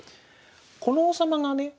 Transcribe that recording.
この王様がね